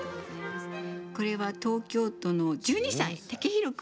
これは東京都の１２歳たけひろ君。